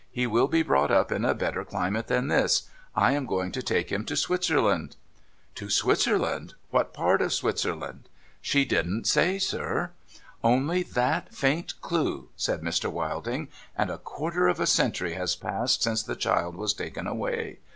He will be brought up in a better climate than this — I am going to take him to Switzerland." '' To Switzerland ? ^\'hat part of Switzerland ?'' She didn't say, sir.' ' Only that faint clue !' said IMr. 'Wilding. ' And a quarter of a century has passed since the child was taken away